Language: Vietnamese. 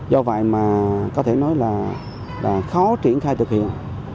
do vậy mà có thể nói là khó triển khai thực hiện